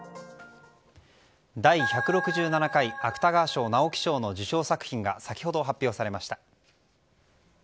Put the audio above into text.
第１６７回芥川賞・直木賞の受賞作品が先ほど発表されました。